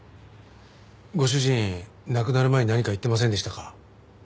ご主人亡くなる前に何か言ってませんでしたか？